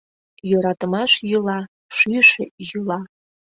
Йӧратымаш йӱла — шӱйшӧ йӱла.